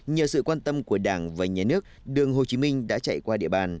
nhờ sự quan tâm của đảng và nhà nước đường hồ chí minh đã chạy qua địa bàn